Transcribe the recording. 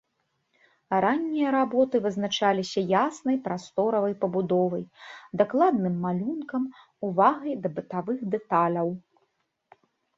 Раннія работы вызначаліся яснай прасторавай пабудовай, дакладным малюнкам, увагай да бытавых дэталяў.